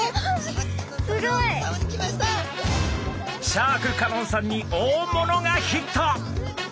シャーク香音さんに大物がヒット。